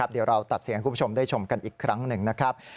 เดี๋ยวเราตัดเสียงให้คุณผู้ชมได้ชมกันอีกครั้งหนึ่งนะครับ